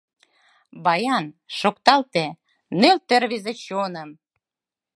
Баян, шокталте, нӧлтӧ рвезе чоным!